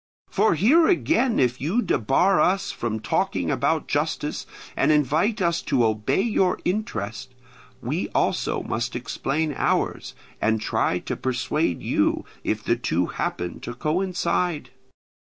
For here again if you debar us from talking about justice and invite us to obey your interest, we also must explain ours, and try to persuade you, if the two happen to coincide.